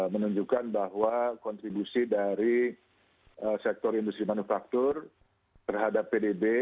menunjukkan bahwa kontribusi dari sektor industri manufaktur terhadap pdb